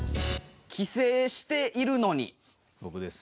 「帰省しているのに」。僕です。